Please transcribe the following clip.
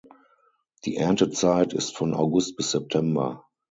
Die Erntezeit ist von August bis September.